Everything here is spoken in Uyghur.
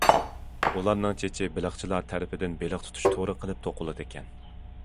ئۇلارنىڭ چېچى بېلىقچىلار تەرىپىدىن بېلىق تۇتۇش تورى قىلىپ توقۇلىدىكەن.